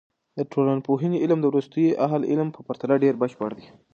د ټولنپوهنې علم د وروستیو اهل علم په پرتله ډېر بشپړ دی.